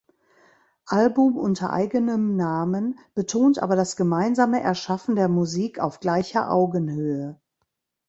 Album unter eigenem Namen, betont aber das gemeinsame Erschaffen der Musik auf gleicher Augenhöhe.